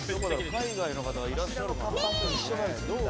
海外の方がいらっしゃるかな。